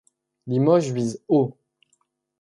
Limoges vise haut.